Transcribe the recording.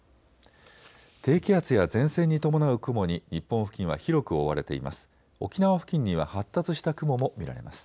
低気圧や前線に伴う雲に日本付近は広く覆われています。